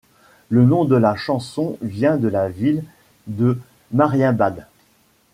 Le nom de la chanson vient de la ville de Marienbad.